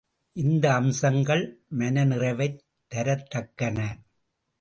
இந்த அம்சங்கள் மனநிறைவைத் தரத்தக்கன.